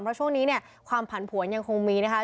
เพราะช่วงนี้เนี่ยความผันผวนยังคงมีนะคะ